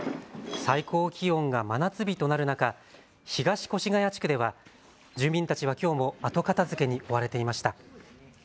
最高気温が真夏日となる中、東越谷地区では住民たちはきょうも後片づけに追われていました。